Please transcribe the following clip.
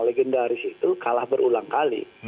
legendaris itu kalah berulang kali